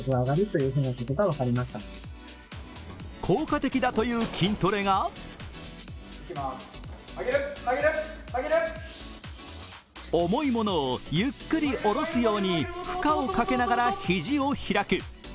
効果的だという筋トレが重いものをゆっくり下ろすように負荷をかけながらひじを開く。